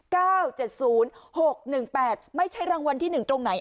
เก้าเจ็ดศูนย์หกหนึ่งแปดไม่ใช่รางวัลที่หนึ่งตรงไหน